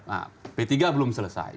nah p tiga belum selesai